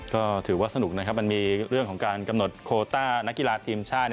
ก็ถือว่าสนุกนะครับมันมีเรื่องของการกำหนดโคต้านักกีฬาทีมชาติ